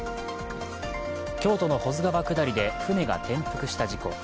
京都の保津川下りで舟が転覆した事故。